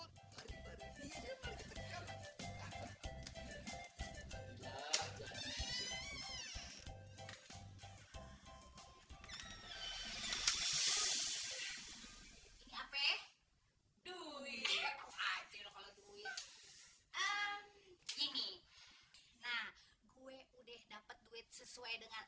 hai ini apa eh duit aja loh kalau duit ini nah gue udah dapet duit sesuai dengan